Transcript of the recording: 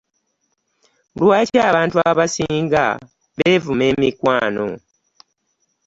Lwaki abantu abasinga beevuma emikwano?